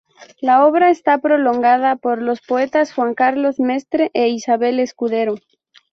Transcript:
La obra está prologada por los poetas Juan Carlos Mestre e Isabel Escudero.